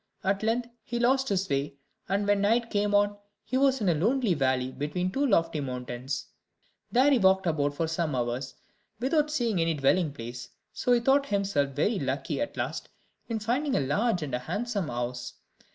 At length he lost his way; and, when night came on, he was in a lonely valley between two lofty mountains. There he walked about for some hours, without seeing any dwelling place, so he thought himself very lucky at last in finding a large and handsome house.